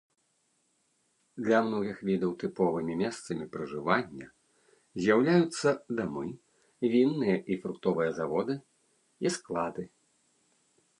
Для многіх відаў тыповымі месцамі пражывання з'яўляюцца дамы, вінныя і фруктовыя заводы і склады.